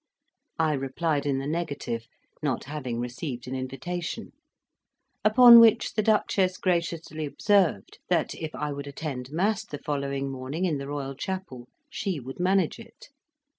I replied in the negative, not having received an invitation; upon which the Duchess graciously observed that if I would attend mass the following morning in the Royal Chapel, she would manage it.